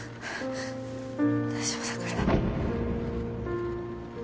大丈夫だから。